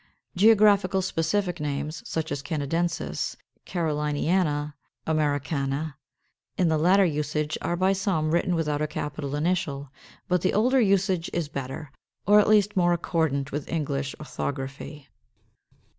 Geographical specific names, such as Canadensis, Caroliniana, Americana, in the later usage are by some written without a capital initial, but the older usage is better, or at least more accordant with English orthography.